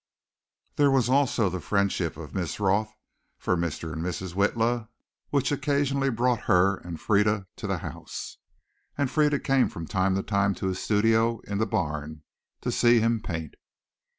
There was also the friendship of Miss Roth for Mr. and Mrs. Witla, which occasionally brought her and Frieda to the house. And Frieda came from time to time to his studio in the barn, to see him paint.